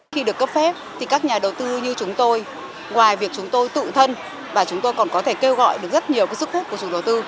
khi được cấp phép thì các nhà đầu tư như chúng tôi ngoài việc chúng tôi tự thân và chúng tôi còn có thể kêu gọi được rất nhiều sức hút của chủ đầu tư